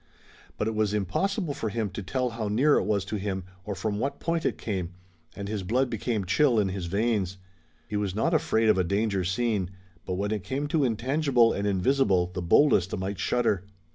But it was impossible for him to tell how near it was to him or from what point it came, and his blood became chill in his veins. He was not afraid of a danger seen, but when it came intangible and invisible the boldest might shudder.